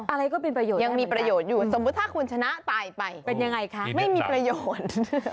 อะไรก็เป็นประโยชน์ยังมีประโยชน์อยู่สมมุติถ้าคุณชนะตายไปเป็นยังไงคะไม่มีประโยชน์